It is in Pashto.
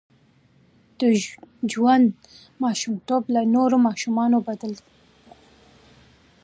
د جون ماشومتوب له نورو ماشومانو بدل و